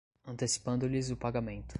antecipando-lhes o pagamento